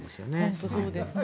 本当にそうですね。